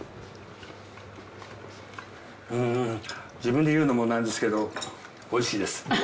うん自分で言うのもなんですけど美味しいです。